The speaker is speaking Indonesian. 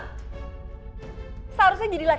seharusnya jadi laki laki yang lebih baik